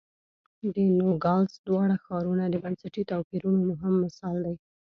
د نوګالس دواړه ښارونه د بنسټي توپیرونو مهم مثال دی.